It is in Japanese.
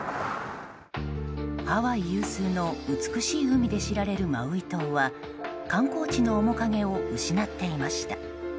ハワイ有数の美しい海で知られるマウイ島は観光地の面影を失っていました。